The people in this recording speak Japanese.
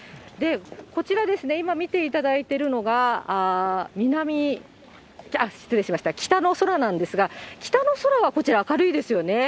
こちら、今見ていただいているのが、北の空なんですが、北の空はこちら、明るいですよね。